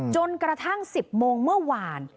จนกระทั่ง๑๐โมงเมื่อวาน